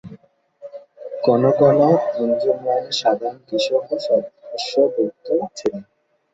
কোনো কোনো আঞ্জুমানে সাধারণ কৃষকও সদস্যভুক্ত ছিলেন।